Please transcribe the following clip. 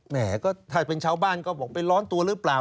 แหมก็ถ้าเป็นชาวบ้านก็บอกเป็นร้อนตัวหรือเปล่า